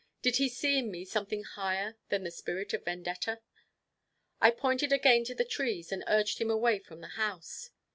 Did he see in me something higher than the spirit of Vendetta? I pointed again to the trees, and urged him away from the house.